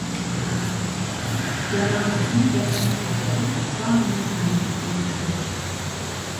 Hja naam har yntrek yn it hotel, op twa minuten rinnen fan ús hûs.